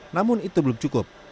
namun itu belum cukup